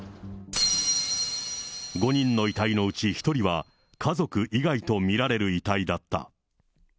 ５人の遺体のうち１人は家族以外と見られる遺体だった。